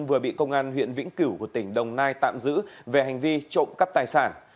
vừa bị công an huyện vĩnh cửu của tỉnh đồng nai tạm giữ về hành vi trộm cắp tài sản